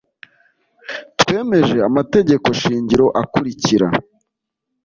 twemeje amategeko shingiro akurikira